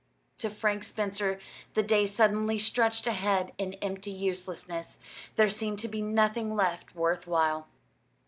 To Frank Spencer the days suddenly stretched ahead in empty uselessness there seemed to be nothing left worth while.